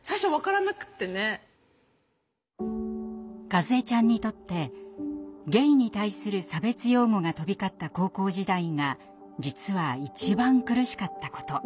かずえちゃんにとってゲイに対する差別用語が飛び交った高校時代が実は一番苦しかったこと。